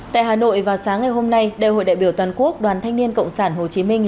tại hà nội vào sáng ngày hôm nay đại hội đại biểu toàn quốc đoàn thanh niên cộng sản hồ chí minh